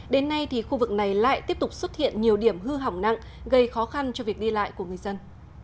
đến nay thì khu vực này lại tiếp tục xuất hiện nhiều điểm hư hỏng nặng gây khó khăn cho việc đi lại của người dân